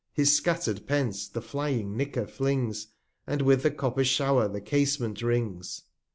His scatter'd Pence the flying * Nicker flings, And with the Copper Show'r the Casement rings.